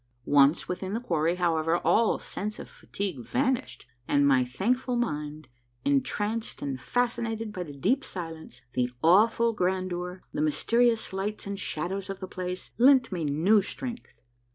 Once within the quarry, however, all sense of fatigue vanished, and my thankful mind, entranced and fascinated by the deep silence, the awful grandeur, the mysterious lights and shadows of the place, lent me new strength.